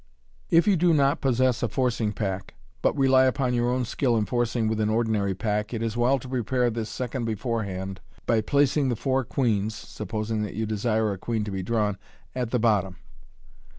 *' If you do not possess a forcing pack, but rely upon your own skill in forcing with an ordinary pack, it is well to prepare this second beforehand by placing the four queens (supposing that you desire a queen to be drawn) at the bottom.